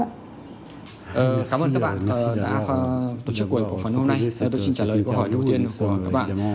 cảm ơn các bạn đã tổ chức cuộc phần hôm nay tôi xin trả lời câu hỏi đầu tiên của các bạn